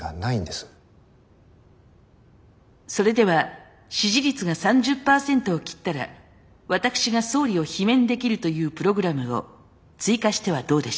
それでは支持率が３０％を切ったら私が総理を罷免できるというプログラムを追加してはどうでしょう。